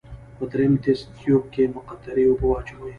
په دریم تست تیوب کې مقطرې اوبه واچوئ.